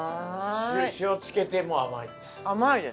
塩付けても甘いんです？